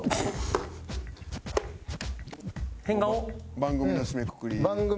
番組の締めくくり。